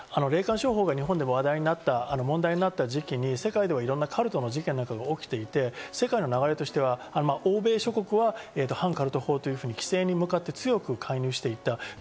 霊感商法がアメリカで話題になった、問題になった時期に世界ではいろんなカルトの事件などが起きていて、世界の流れとしては欧米諸国は反カルト法というのが規制に向かって強く介入していた。